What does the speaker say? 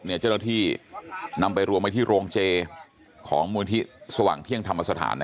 เจ้าหน้าที่นำไปรวมไว้ที่โรงเจของมูลที่สว่างเที่ยงธรรมสถาน